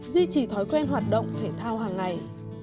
duy trì thói quen hoạt động thể thao hàng ngày